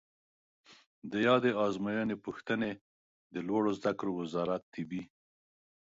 د یادې آزموینې پوښتنې د لوړو زده کړو وزارت طبي